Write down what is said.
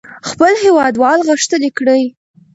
خپل هېوادوال غښتلي کړئ.